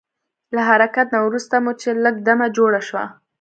له حرکت نه وروسته مو چې لږ دمه جوړه شوه.